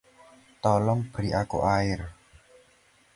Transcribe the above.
Tolong beri aku air.